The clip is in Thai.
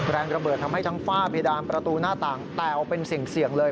แรงระเบิดทำให้ทั้งฝ้าเพดานประตูหน้าต่างแตกเป็นเสี่ยงเลย